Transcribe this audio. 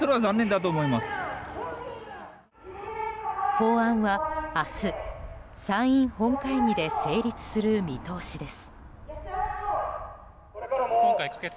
法案は明日、参院本会議で成立する見通しです。